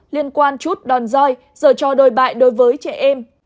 liên quan chút đòn roi dở cho đồi bại đối với trẻ em